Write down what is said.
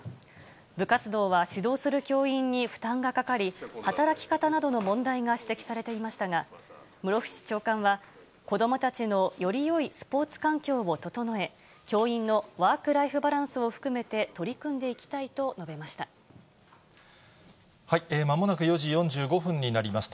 部活動は指導する教員に負担がかかり、働き方などの問題が指摘されていましたが、室伏長官は、子どもたちのよりよいスポーツ環境を整え、教員のワークライフバランスを含めて取り組んでいきたいと述べままもなく４時４５分になります。